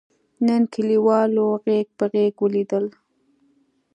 نن کلیوالو غېږ په غېږ ولیدل.